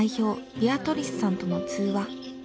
ビアトリスさんとの通話。